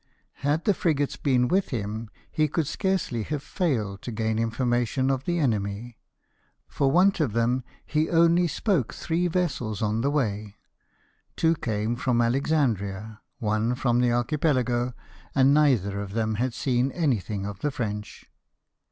Had the frigates been with him, he could scarcely have failed to gain information ot the enemy; for want of them, he only spoke three vessels on the way — two came from Alexandria, one from the Archipelago, and neither of them had seen anything of the French.